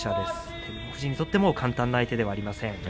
照ノ富士にとっては簡単な相手ではありません。